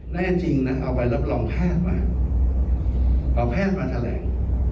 แน่จริงนะเอาใบรับรองแพทย์มาเอาแพทย์มาแถลง